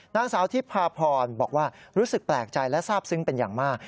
นางสาวทิพพาพรบอกว่ารู้สึกแปลกใจและทราบซึ้งเป็นอย่างมาก